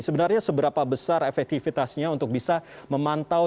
sebenarnya seberapa besar efektivitasnya untuk bisa memantau